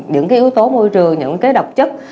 những cái yếu tố môi trường những cái độc chất